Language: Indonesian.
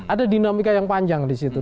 ada dinamika yang panjang di situ